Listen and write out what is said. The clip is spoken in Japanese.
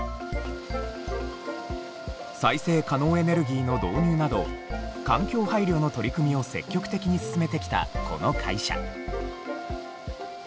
再生可能エネルギーの導入など環境配慮の取り組みを積極的に進めてきたこの会社。